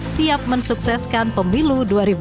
siap mensukseskan pemilu dua ribu dua puluh